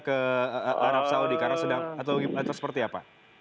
ke arab saudi karena sedang atau seperti apa